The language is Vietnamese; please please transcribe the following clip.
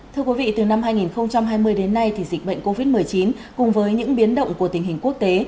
thưa quý vị từ năm hai nghìn hai mươi đến nay thì dịch bệnh covid một mươi chín cùng với những biến động của tình hình quốc tế